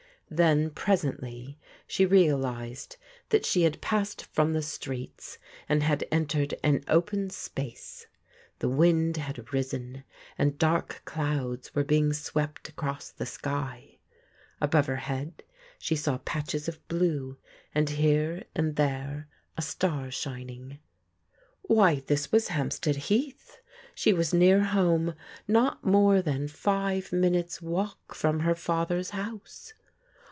Then presently she realized that she had passed from the streets and had entered an open space. The wind had risen, and dark clouds were being swept across tho'sky. Above her head, she saw patches of blue, and here and there a star shining. Why, this was Hampstead Heath! She was near home; not more than five minutes* walk from her fa ther's house!